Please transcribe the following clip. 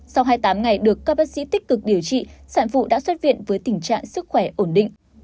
sau hai mươi tám ngày được các bác sĩ tích cực điều trị sản phụ đã xuất viện với tình trạng sức khỏe ổn định